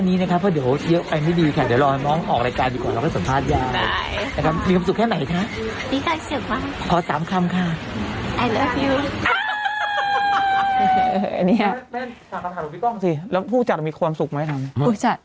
นี่ฮะเมนต์ถามคำถามของพี่ก้องสิแล้วผู้จัดมีความสุขไหมครับผู้จัด